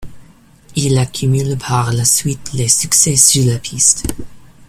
Il accumule par la suite les succès sur la piste.